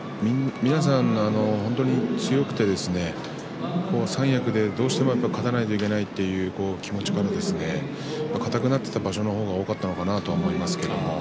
皆さん本当に強くて三役でどうしても勝たないといけないという気持ちから硬くなっていた場所の方が多かったのかなと思います。